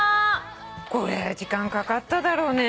これ時間かかっただろうね。